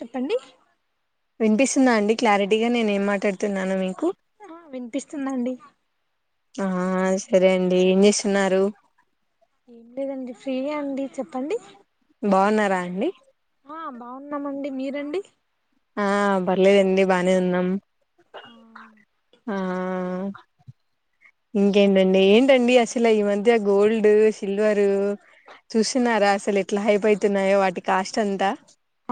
చెప్పండి వినిపిస్తుందా అండి క్లారిటీగా నేను ఏం మాట్లాడుతున్నానో మీకు ఆ వినిపిస్తుందండి ఆ సరే అండి ఏం చేస్తున్నారు ఏం లేదండి ఫ్రీ అండి చెప్పండి బాగున్నారా అండి ఆ బాగున్నామండి మీరండి ఆ పర్లేదండి బానే ఉన్నాం ఆ ఆ ఇంకేంటండి ఏంటండి అసలు ఈ మధ్య గోల్డ్ సిల్వరు చూస్తున్నారా అసలు ఎట్లా హైపోతున్నాయో వాటి కాస్ట్ అంతా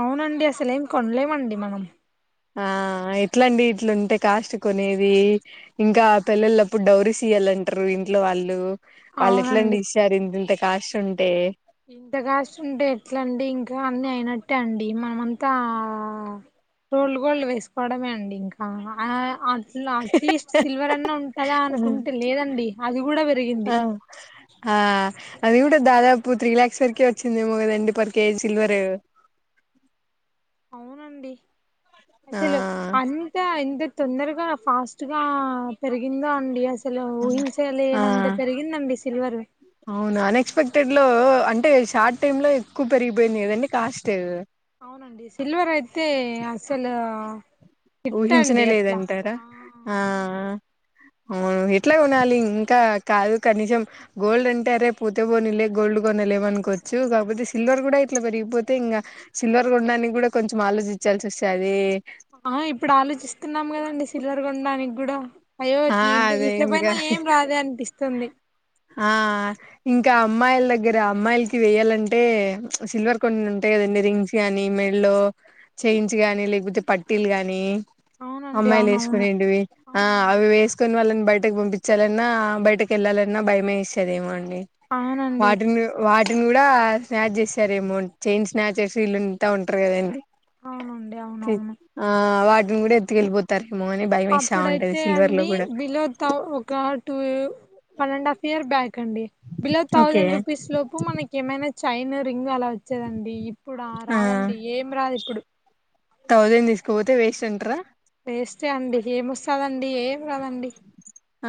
అవునండి అసలే ఏం కొనలేమండి మనం ఆ ఎట్లాండి ఇట్లుంటే కాస్ట్ కొనేది ఇంకా పెళ్లిళ్లుప్పుడు డౌరీ సయ్యాలంటారు ఇంట్లో వాళ్ళు వాళ్ళ ఎట్లండి అవునండి ఇశారు ఇంత ఇంత కాష్ ఉంటే ఇంత కాష్ట ఉంటే ఎట్లండి ఇంకా అన్ని అయినట్టే అండి మనమ అంతా రోళ్ళ గోళ్ళ వేసుకోవడమే అండి ఇంకా అన ఆ అలు అట్లీస్ట్ సిల్వర్ అన్నా ఉంటుందా అనుకుంటే లేదండి అది గూడ ఆ వెరిగింది ఆ అది కూడా దాదాపు త్రీ లాక్స్ వరకే వచ్చిందేమో కదండి పర్ కేజీ సిల్వరు అవునండి అసలు అంత ఎంత తొందరగా ఫాస్ట్ గా పెరిగిందో అండి అస్ అసలు ఆ ఊహించలేనంత పెరిగిందండి సిల్వర్‌వి అవును అన్ఎక్స్పెక్టెడ్ లో అంటే షార్ట్ టైమ్ లో ఎక్కువ పెరిగిపోయింది గదండి కాస్టు అవునండి సిల్వర్ అయితే తె అసలు [unintelligible] ఊహించనే హిట్టండి అట్లా లేదంటారా ఆ ఆ అవునండి అవును ఎట్లా కొనాలి ఇంకా కాదు కనీసం గోల్డ్ అంటే అరే పోతే పోనీలే గోల్డ్ కొనలేమనుకోవచ్చు, కాకపోతే సిల్వర్ కూడా ఇట్లా పెరిగిపోతే ఇంగా సిల్వర్ కొనడానికి కూడా కొంచెం ఆలోచించాల్సి వస్తాది. ఆ ఇప్పుడు ఆలోచిస్తున్నాం కదండి సిల్వర్ కొనడానికి కూడా. అయ్యో ఆ తి ఎంత అదే ఇంకా తీసికపోయినా ఏం రాదు అనిపిస్ తొంది. ఆ ఇంకా అమ్మాయిల దగ్గరా అమ్మాయిలకి వేయాలంటే సిల్వర్ కొన్ని ఉంటాయి కదండి రింగ్స్ గానీ, మెడలో చైన్స్ గానీ, లేకపోతే పట్టీలు గాని అవునండి అమ్మాయిలు అవునవును వేసుకొనిటివి ఆ అవునండి అవి వేసుకొని వాళ్ళని బయ టకు పంపించాలన్నా, బయటకు తీసుకెల్లలన్నా భయమేస్తదేమో అ ండి అవునండి వాటిను వాట్ వాటిని కూడా స్నాచ్ చేస్తరు ఏమో, చైన్ స్నాచర్స్ వీల్లంతా ఉంటారు కదండి. అవునండి తి అవునవును ఆ వా టిని కూడా ఎత్తుకెళ్ళిపోతారు. అప్పుడైతే అండి బిలో థౌ ఒక two one and half year back కండి బిలో ఓకే థౌసండ్ రూపీస్ లోపు మనకి ఏమైనా చైన్, రింగ్ అలా వచ్చేదండి. ఇప్పుడా ఆ రాదండి ఏం రాదు ఇప్పుడు. థౌజండ్ తీసుకుపోతే వేస్ట్ అంటరా. వేస్టే అండి. ఎంవస్తాద ండి ఏంరాదండి. ఆ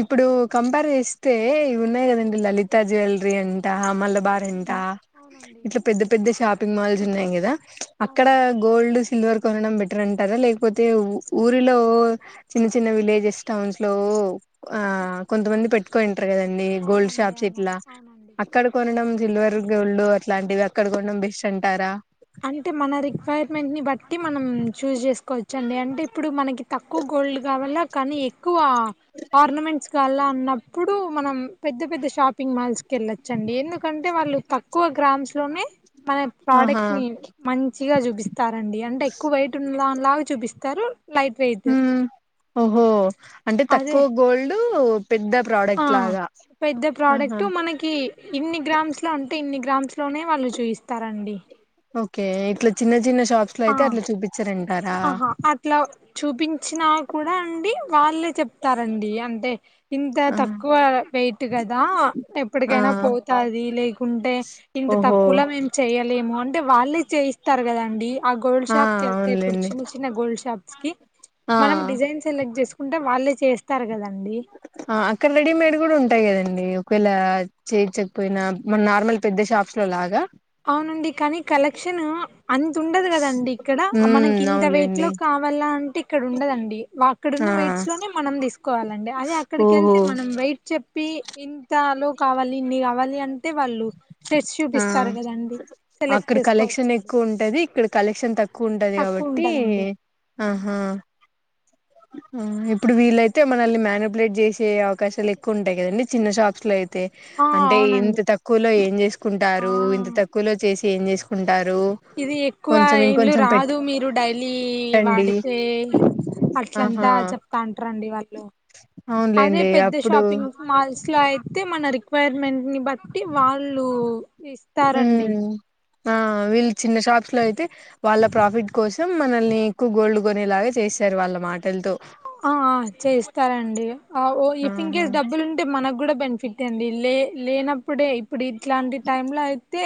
ఇప్పుడు కంపేర్ చేస్తే ఇవి ఉన్నాయి కదండి. లలితా జ్యువెలరీ అంట మల బార్ అంట, అవును అవునండి ఇట్ల పెద్ద పెద్ద షాపింగ్ మాల్స్ ఉన్నాయి కదా అక్కడ అవునండి గోల్డ్, సిల్వర్ కొనడం బెటర్ అంటారా లేకపోతే ఊ ఊరిలో చిన్న చిన్న విలేజెస్ టౌన్స్ లో ఆ కొంతమంది పెట్టుకోని ఉంటరు కదండి, గోల్డ్ అవునండి షాప్స్ అవునండి ఇట్లా అవునండి అక్కడ కొనడం సిల్వర్, గోల్డ్ అట్లాంటివి అక్కడ కూడా బెస్ట్ అంటారా. అంటే మన రిక్వైర్మెంట్ని బట్టి మనం చూజ్ చేసుకోవచ్చండి. అంటే ఇప్పుడు మనకి తక్కువ గోల్డ్ కావాల కానీ ఎక్కువ ఆర్నమెంట్స్ కావాల అన్నప్పుడు మనం పెద్ద పెద్ద షాపింగ్ మాల్స్ కి వెళ్ళోచ్చండి. ఎందుకు కంటే వాళ్ళు తక్కువ గ్రామ్స్ లోనే మన ఆహా ప్రోడక్ట్ మంచిగా చూపిస్తారండి అంటే ఎక్కువ వెయిట్ ఉ లావు లావు చూపిస్తరు. లైట్ వెయిట్ హ్మ్ ఓహో అంటే అదే తక్కువ గోల్డ్ పెద్ద ఆ ప్రోడక్ట్ లాగా పెద్ద ఆహా ప్రోడక్ట్ మనకి ఇన్ని గ్రామ్స్ లా అంటే ఎన్ని గ్రామ్. గ్రామ్స్ లోనే వాళ్ళు చూయిస్తారండి. ఓకే ఇట్ల చిన్నచిన్న. షాప్స్ లో ఆ అయితే అట్లా చూపిచారండి. ఆహా అట్లా చూపించినా కూడా అండి. వాళ్లే చెప్తారండి అంటే. ఇంత ఆ తక్కువ వెయిట్ కదా ఆ ఎప్పటికైనా పోతాది లేకుంటే ఇంత ఓహో తక్కువలో మేము చేయలేము అంటే. వాళ్లే చేయిస్తారు కదండీ. ఆ గోల్డ్ షాప్ కి వెళ్తే. ఇప్పుడు చిన్న చిన్న గోల్డ్ షాప్స్ కి ఆ మనం డిజైన్ సెలెక్ట్ చేసుక్ ఉంటే వాళ్ళే చేస్తారు కదా. ఆ అక్కడ రెడీమెడి కూడా ఉంటాయి కదా అండి. అండి ఒకవేళ చేయించకపోయిన మన నార్మల్ పెద్ద షాప్స్ లో లాగా. అవునండి కానీ కలెక్షన్ అంత ఉండదు కదండీ ఇక్కడ మనకు ఉమ్ ఇంత వెయిట్ అవునులేండి లో కావాలంటి. ఇక్కడ ఉండదండి వా అక్కడ ఆ ఉన్న ఎయిడ్స్ లోనే మనం తీసుక్ కోవాలండి అదే ఓహో అక్కడికెళ్తే మనం వెయిట్ చెప్పి. ఇంత లో కావాలి ఇన్ని కావలి అంటే. టే తెచ్చి ఆ చూపిస్తారు. కదండి సెలెక్ట్ అక్కడ కలెక్షన్ చేసుకోవచ్చండి ఎక్కువ ఉంటది ఇక్కడ. కలెక్షన్ తక్ కూ ఉంటది తక్కువ కాబట్టి. ఉంటదండి ఉమ్. ఆ ఇప్పుడు వీలైతే మనల్ని మేలిక్యులేట్ చేసే అవకాశాలు ఎక్కువ ఉంటాయి కదండీ. చిన్న షాప్స్ లో అయి తె ఆ అంటే ఇంత అవునండి తక్కువలో ఏం ఆ చేసుకుంటారు ఇంత తక్కువలో చేస్ ఏం చేసుకుంట్ ఇది ఎక్కువ ఏండ్లు రాదు మీరు డైలీ పెట్టండి వాడితే అట్. ఇట్లా ఆహా అంతా చెప్తా ఉంటారండి వాళ్ళు. అదే అవునులేండి పెద్ద అప్పుడు షాపింగ్ మాల్స్ లో అయితే. మన రిక్వైర్మెంట్ నీ బట్టి వాళ్ళు. ఇస్తారండి. ఉమ్ ఆ వీళ్లు చిన్న షాప్స్ లో అయితే వాళ్ల ప్రాఫిట్ కోసం మనల్ని ఎక్కువ గోల్డ్ కోనెలాగా చేశారు వల్ల మాటలతో. ఆ చేస్తారండి ఆ వ ఇన్ ఆహా కేస్ డబ్బులు ఉంటే మనకి కూడా బెనిఫిట్ అండ్. లే లేనప్పుడే ఇప్పుడు ఇట్లాంటి టైం లా అయితే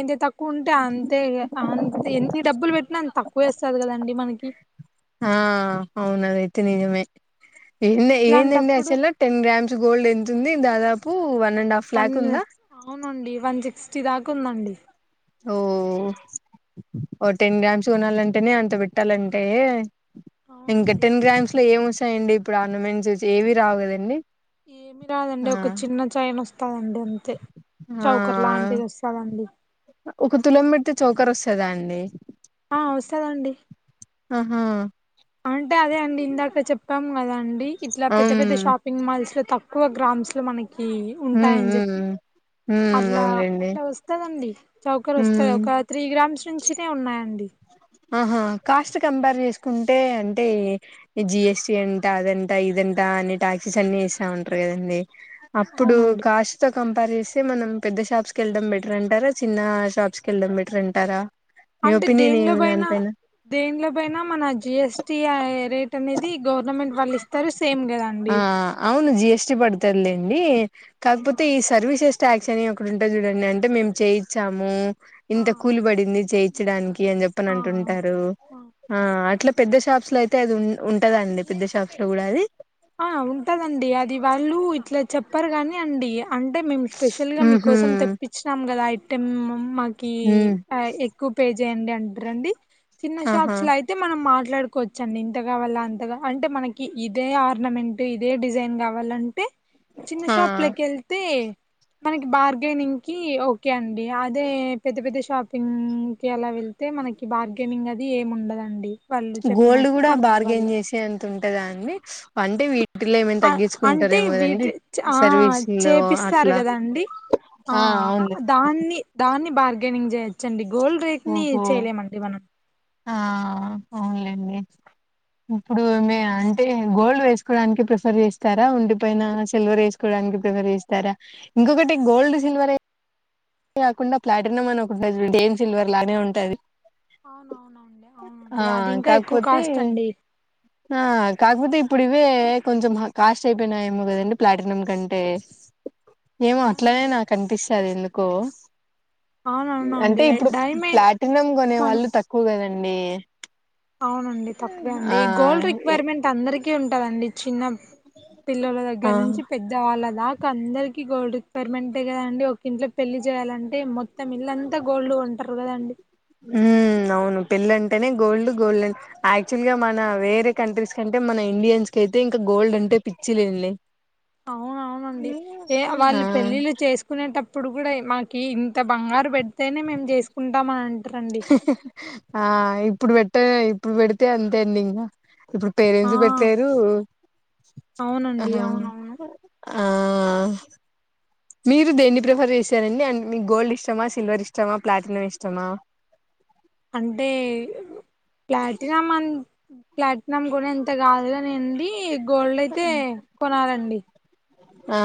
ఇంత తక్కువ తక్కువ ఉంటే అంతే అంతే ఎన్ని డబ్బులు పెట్టినా అంత తక్కువ అస్తది కదండి మనకి తినిజమే ఏ ఏందండి ఇట్లాంటప్పుడు అసలు టెన్ గ్రామ్స్ గోల్డ్ ఎంతుంది దాదాపు పూవన్ పన్ను అవునండి వంజ్ స్టి దాక ఉందండి ఓ ఓ ఒ టెన్ గ్రామ్స్ కొనాలంటేనే అంత పెట్టాలంటే ఇంకా అవునండి టెన్ గ్రామ్స్ లో ఏం వసయండి ఇప్పుడు ఆర్నమెంట్స్స్ ఏవి రావు కదండి ఏమి రాదండి ఆ ఒక చిన్న చయన్ ఒస్తదండి అంతే ఆ చౌకర్ లాంటిది ఒస్తదండి ఒక తులం పెడితే చౌకర్ ఒస్తదా అండి ఆ వస్తదండి ఆహా అంటే అదే అండి ఇందాక చెప్పాము కదా అండి ఇట్లా పెద్ద అమ్ పెద్ద షాపింగ్ మాల్స్లొ తక్కువ గ్రామ్స్ లో మన ఈ ఉమ్ ఉంటాయని ఉమ్ చెప్పి ఉమ్ అట్లా అవునులేండి అట్లా వస్తదండి చౌకర్ వస్తది ఉమ్ ఒక త్రీ గ్రామ్స్ మంచినే ఉన్నాయి ఆహా కాస్ట్ కమ్ బా అని వేసుకుంటే అంటే జిఎస్టి అంట అదంట ఇదంటా అని టాక్సీస్ అన్ని వేస్తా ఉంటారు కదండి అప్పుడు అవునండి కాస్ట్ తో కంపేర్ జేస్ అయితే మనం పెద్ద షాప్స్కి ఎళ్డం బెటర్ అంటారా చిన్నా షాప్స్కి ఎళ్డం బెటర్ అంటారా మీ అంటి ప్ ఒపీనియన్ దేన్లో ఏమి పోయిన దానిపైన దేన్లో పోయినా మన జిఎస్ టీ అయ్ రేట్ అనేది గౌర్ ర్నమెంట్ వాళ్ళు ఇస్తారు సేమ్ కదండి ను జిఎస్టీ పడతలేండి ఆ కాక్ పోతే ఈ సర్వీస్ ఎస్ టాక్స్ అనివి ఒకటి ఉంటది చూడండి అంటే మేము చేయిచ్చాము ఆ ఇంత కూలి పడింది చేయిచ్చడానికి ఓకే అని చెప్పని ఆ అంటుంటారు ఆ అట్లా పెద్ద షాప్స్ లో అయితే అది ఉన్ ఉంటదండి పెద్ద షాప్ చూడది ఆ ఉంటదండి అది వాళ్ళు ఇట్లా చెప్ ప్పర్ కాని అండి అంటే మేము స్పెషల్ గ ఉహు మీకోసం తెప్పించినాం కదా అయ్ తెమ్ మ్ మ కి ఉమ్ ఆ ఎక్కువ పేజ్ దేన్నీ అంటరండి చిన్న ఆహా షాప్స్ లో అయితే మనం మాట్ మాట్లాడుకోవచ్చు అండి ఇంతగా వల్ల అంతగా అంటే మనకి ఇదే ఆర్ ర్నమెంట్ ఇదే డిజైన్ కావాలంటే చిన్న ఆ షాప్ లా కెళ్తే మనకి బార్గెనింగ్ కి ఓకే అండి అదే పెద్ద పెద్ద షాపింగ్ కి అలా వెళ్తే మనకి బార్గెనింగ్ అది ఏం ఉండదండి వాళ్ళు గోల్డ్ చెప్పినట్టు కూడా మనం ఇవ్వాల బార్గెన్ చేసే అంత ఉంటదా అండి పండి వీ ఆ అంటే వీటి ఆ సర్వీస్ లో చేపిస్తారు అట్లా కదాండి ఆ దాన్ని దాన్ని బార్ గేనింగ్ చేయచ్చండి గోల్డ్ రేట్ ని ఓహో చేయలేమండి మనం ఆ అవునులేండి ఇప్పుడు మీ ఆంటీ గోల్డ్ వేసుకోవడానికి ప్రిఫర్ చేస్తారా ఓంటిపైన సిల్వర్ ఎసుకోవడానికి ప్రిఫర్ చేస్తారా ఇంకొకటి గోల్డ్ సిల్వర్ ఏ కాకుండా ప్లాటినం అను ఒక ఉంటది చూడండి సేమ్ సిల్వర్ లానే ఉంటది అవునవునండి ఆ అవునండి అది ఇంకా ఎక్కువ కాకపోతే కాస్ట్ అండి ఆ కాకపోతే ఇప్పుడు ఇవే కొంచెం కాస్ట్ అయిపోయినాయేమో కదండి ప్లాటినం కంటే ఏమో అట్లనే అవునండి నాకు అనిపిస్తది ఎందు కో అంటే అవునవునండి ఇప్పుడు డైమండ్ ప్లాటినమ్ కొనే మనం వాళ్ళు తక్కువ కదం నే అవునండి తక్కువే అండి గోల్డ్ రిక్వైర్మెంట్ అందరికి ఉన్ ఉంటదండీ చిన్న పిల్లల దగ్గర ఆ నుంచి పెద్దవాళ్ళ దాక్ అందరికి గోల్డ్ పర్మెంటె కదా అండి ఒక ఇంట్ల పెళ్లి చేయాలంటే మొ త్తం ఇల్లు అంతా గోల్డ్ కొంటరు కదండి ఉమ్ అవును పెళ్ళంటనే గోల్డ్ గోల్డ్ ఆన్ యాక్చువల్ గా మన వేరే కంట్రీస్ కంటే మన ఇండియన్స్ కైతే ఇంకా గోల్డ్ అంటే పిచ్చి లేంలే అవునవునండి ఏ ఆ వాళ్ళు పెళ్ళిలు చేసుకునేటప్ ఇప్పుడు కూడా మాకి ఇంత బంగారు పెడితేనే మేము చేసుకుంటాం అని అం ఆ ఇప్పుడు పెట్ట ఇప్పుడు పెడితే అంతే అండి ఇంగా ఇప్పుడు ఆ పేరెంట్స్ పెట్లేరు అవునండి ఆహా అవునవును ఆ మీరు దేన్ని ప్రిఫర్ చేసారండి అండి అన్ మీ గోల్డ్ ఇష్టమా, సిల్వర్ ఇష్టమా, ప్లాటినమ్ ఇష్టమా అంటే ప్లాటిినమ్ అన్ ప్లట్ నం కూడా ఇంత కాదుగానిండి. గోల్డ్ అయితే కొనాలండి. ఆ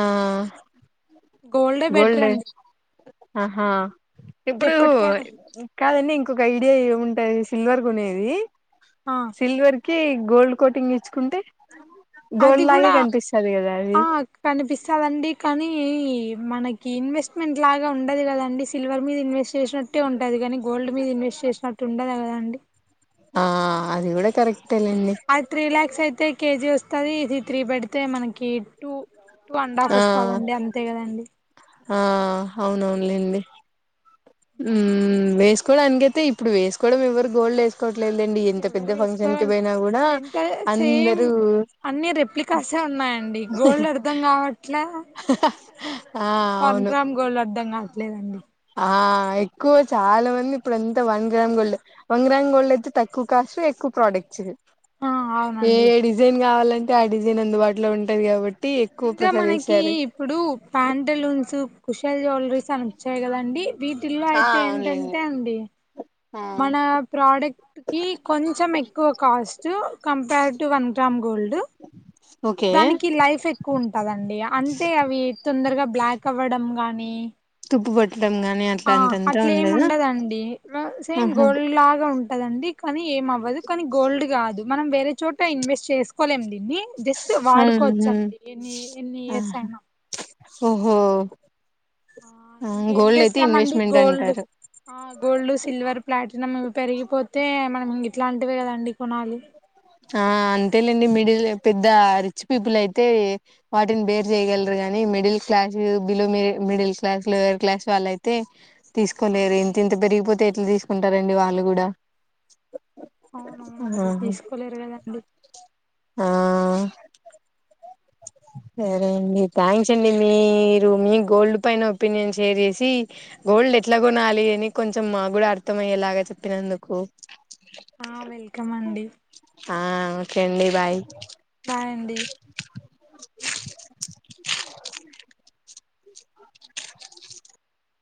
గోల్డే బెట్రర్ గోల్డ్ అండి. ఆహా ఇప్పుడు ఎప్పటికైనా కాదండి ఇ కొక ఐడియా ఏముంటాంది సిల్వర్ కొనేది ఆ సిల్వర్ కి గోల్డ్ కోటింగ్ ఇచ్చుకుంటే అది గోల్డ్ లాగే కూడా, కనిపిస్తది కదా అది ఆ కనిపిస్సాదండి కానీ మనకి ఇన్వెస్ మెంట్ లాగా ఉండదు కదండి, సిల్వర్ మీద ఇన్వెస్ చేసినట్టే ఉంటది గానీ, గోల్డ్ మీద ఇన్వెస్ చేసినట్టు ఉండద కదండి. ఆ అదిగుడ కర్ అది త్రీ లాక్స్ ఐతే కేజీ వస్తాది ఇది త్రీ పెడితే మనకి టూ టూ అండ్ హాఫ్ ఆఆ, వస్తదండి అంతే కదండి ఆఆ అవున్ అవున్లేండి. హు అట్లండి వేస్ కోడానికెతే ఇ ఇప్పుడు వేసుకోవడం ఎవరు గోల్డ్ ఎస్కొ ఎవరు వేస్కొరన్ ఎంత సేమ్, అందరూ అన్ని రెప్లికాసే ఉన్నాయండి గోల్డ్ అర్థం కావ ట్లా ఆ వన్ అవును గ్రామ్ గోల్ అద్దంగా లేదండి. ఆ ఎక్కువ చాలా మంది ఇప్పురంతా వన్ గ్రామ్ గోల్డే, వన్ గ్రామ్ గోల్డ్ అయితే తక్కువ కాస్ట్ ఎక్కువ ప్రోడక్ట్స్ ఆ ఏ అవునండి డిజైన్ కావాలన్ తే ఆ డిజైన్ అందుబాటులో ఉంటది కాబ ఇంగా మనకి ఇప్పుడు ప్యాంటులున్స్ కుశల్ జుల్రీస్ అనొచ్చయ్ కదండి. వీటిల్లో ఆ అయితే అవునులేండి ఏంటంటే అండి. ఆ మన ప్రోడక్ట్ కి కొంచెం ఎక్కువ cost to compare to one gram gold okay దానికి లైఫ్ ఎక్కువ ఉంటదండి అంటే అవి తొందరగా బ్లాక్ అవ్వడం గాని మ్మ్ తుప్పు బట్టి ఆ అట్లేమ్ ఉండదండి మ్ సేమ్ ఆహా గోల్డ్ లాగా ఉంట్ ఉంటదండి కానీ ఏమ అవ్వదు కానీ గోల్డ్ కాదు మనం వేరే చోట ఇన్వెస్ట్ చేసుకోలేం దీన్ని జస్ట్ అవును వాడుకోవచ్చండి ఎన్ని ఎన్ని ఇయర్స్ ఆహా అయినా ఓహో ఆ ఇంకేం గోల్డ్ అయితే చేస్తామండి ఇన్వెస్ట్మెంట్ గోల్డ్ అంటారు ఆ గోల్డ్ సిల్వర్ ప్లాటినం పెరిగిపోతే మనం గిట్లాంటివే కదండి కొనాలి ఆ అంతేలేండి మిడిల్ పెద్ద రిచ్ పీపుల్ అయితే వాటిని బేర్ చేయగలరు గాని middle class below middle middle class lower class వాళ్ళయితే తీసుకోలేరు అవునండి ఎంత ఎంత పెరిగిపోతే ఎట్లా తీసుకు కుంటారండి వాళ్ళు కూడా ఆ అవునవునండి తీసుకోలే ఆ సరే అండి థ్యాంక్స్ అండి మీరు మీ గోల్డ్ పైన ఒపీనియన్ షేర్ చేసి గోల్డ్ ఎట్లా కొనాలి అని కొంచెం మా కూడా అర్థ అయ్యేలాగా చెప్పినందుకు. ఆ వెల్కమ్ అండి ఆ ఒకే అండి బాయ్ బై అండి